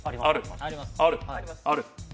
ある？